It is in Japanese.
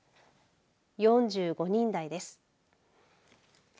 ４５人台です。